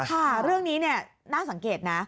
ค่ะเรื่องนี้น่าสังเกตนะ